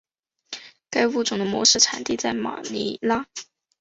该物种的模式产地在马尼拉。